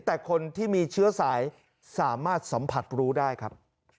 แต่คนที่มีเชื้อสายสามารถสัมผัสรู้ได้ครับ